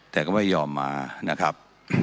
แต่ก็ไม่ยอมมานะครับ